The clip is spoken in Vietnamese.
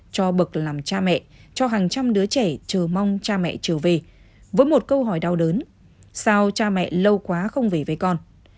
cho bậc làm cha mẹ cho hàng trăm đứa trẻ chờ mong cha mẹ trở về với một câu hỏi đau đớn sao cha mẹ lâu quá không về với con